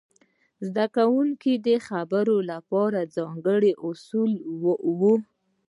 د زده کوونکو د خبرو لپاره ځانګړي اصول وو.